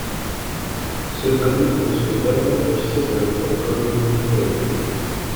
Ce dernier concevait davantage cette œuvre comme une nouvelle.